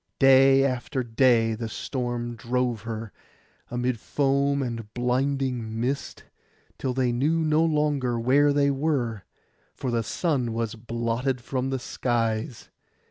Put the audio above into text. Day after day the storm drove her, amid foam and blinding mist, till they knew no longer where they were, for the sun was blotted from the skies.